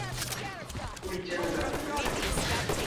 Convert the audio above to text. — Pójdziemy do mnie.